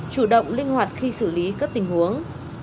chủ động linh hoạt khi xử lý các tình huống